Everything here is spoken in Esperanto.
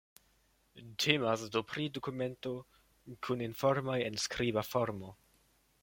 Temas do pri dokumento kun informoj en skriba formo.